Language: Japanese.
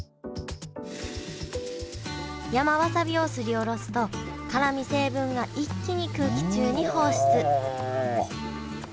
山わさびをすりおろすと辛み成分が一気に空気中に放出うわ。